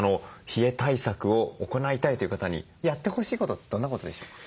冷え対策を行いたいという方にやってほしいことってどんなことでしょうか？